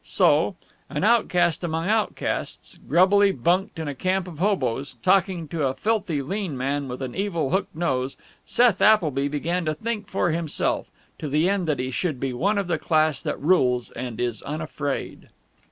So, an outcast among outcasts, grubbily bunked in a camp of hoboes, talking to a filthy lean man with an evil hooked nose, Seth Appleby began to think for himself, to the end that he should be one of the class that rules and is unafraid.